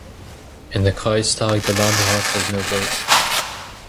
In the Kreistag, the Landrat has no vote.